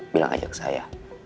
bilang aja ke saya